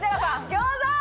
餃子！